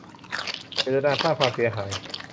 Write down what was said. เจตนาสร้างความเสียหาย